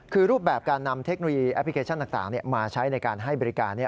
คือรูปแบบการนำเทคโนโลยีแอปพลิเคชันต่างมาใช้ในการให้บริการ